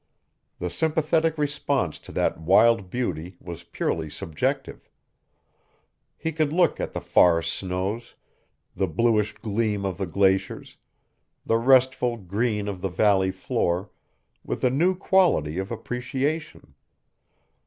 The sympathetic response to that wild beauty was purely subjective. He could look at the far snows, the bluish gleam of the glaciers, the restful green of the valley floor, with a new quality of appreciation.